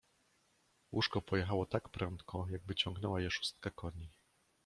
"Łóżko pojechało tak prędko, jakby ciągnęła je szóstka koni."